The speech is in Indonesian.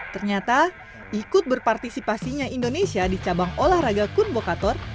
ternyata ikut berpartisipasinya indonesia di cabang olahraga kun bokator